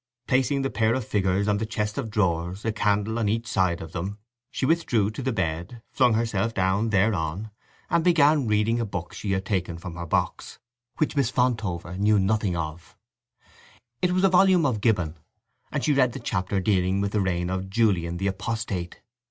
Placing the pair of figures on the chest of drawers, a candle on each side of them, she withdrew to the bed, flung herself down thereon, and began reading a book she had taken from her box, which Miss Fontover knew nothing of. It was a volume of Gibbon, and she read the chapter dealing with the reign of Julian the Apostate.